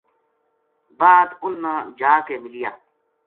بعد اُن نا جا کے ملیا